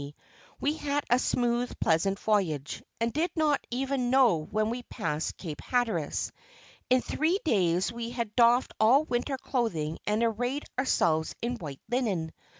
We had a smooth, pleasant voyage, and did not even know when we passed Cape Hatteras. In three days we had doffed all winter clothing and arrayed ourselves in white linen.